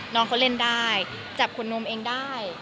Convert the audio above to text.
น้องเขาเล่นได้จับขุนนมเองได้